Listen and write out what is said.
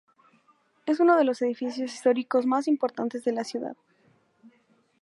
Es uno de los edificios históricos más importantes de la ciudad.